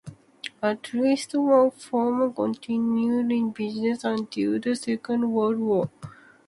At least one farm continued in business until the Second World War.